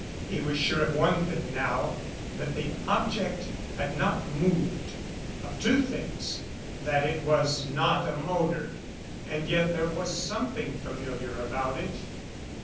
He was sure of one thing now, that the object had not moved of two things that it was not a motor. And yet there was something familiar about it.